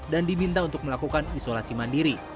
dan diminta untuk melakukan isolasi mandiri